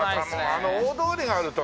あの大通りがあるとね。